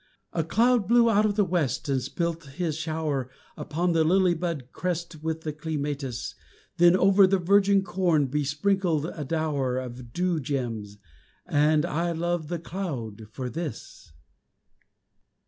A cloud blew out of the west And spilt his shower Upon the lily bud crest And the clematis. Then over the virgin corn Besprinkled a dower Of dew gems And, I love the cloud for this!